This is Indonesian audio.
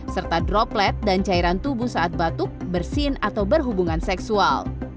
serta droplet dan cairan tubuh saat batuk bersin atau berhubungan seksual